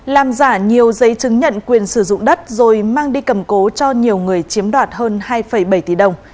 làm giả nhiều giấy chứng nhận quyền sử dụng đất rồi mang đi cầm cố cho nhiều người chiếm đoạt hơn hai bảy tỷ đồng